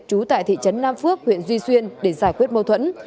trú tại thị trấn nam phước huyện duy xuyên để giải quyết mâu thuẫn